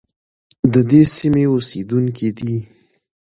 د دې سیمې اوسیدونکي دي.